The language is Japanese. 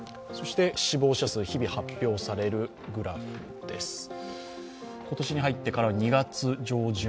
死亡者数、日々発表されるグラフです。